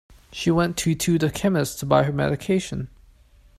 She went to to the chemist to buy her medication